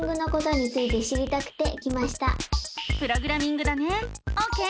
プログラミングだねオーケー！